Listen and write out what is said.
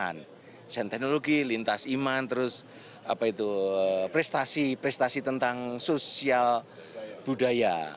change and technology lintas iman terus prestasi tentang sosial budaya